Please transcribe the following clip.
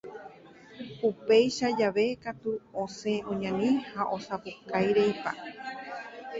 Upéicha jave katu osẽ oñani ha osapukaireipa.